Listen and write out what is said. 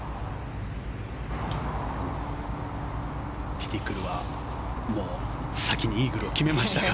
ティティクルはもう先にイーグルを決めました。